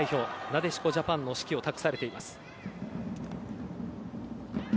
なでしこジャパンの指揮を託されています。